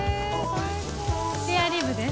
スペアリブです。